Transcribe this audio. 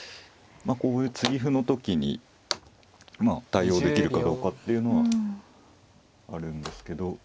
こういう継ぎ歩の時に対応できるかどうかっていうのはあるんですけど。